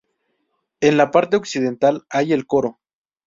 En la parte occidental hay el coro.